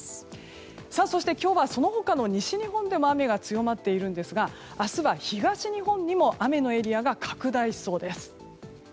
そして今日はその他の西日本でも雨が強まっていますが明日は東日本にも雨のエリアが拡大しそうです。